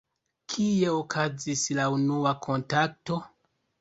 Kie okazis la unua kontakto?